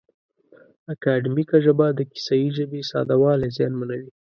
اکاډیمیکه ژبه د کیسه یي ژبې ساده والی زیانمنوي.